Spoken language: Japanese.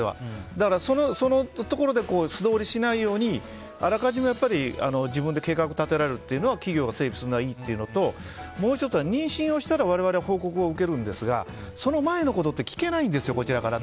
だから、そのところで素通りしないようにあらかじめ自分で計画を立てられるというのは企業が整備するのはいいということともう１つは妊娠をしたら我々は報告を受けるんですがその前のことって聞けないんですよ、こちらから。